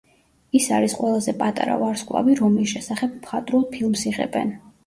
ის არის ყველაზე პატარა ვარსკვლავი, რომლის შესახებ მხატვრულ ფილმს იღებენ.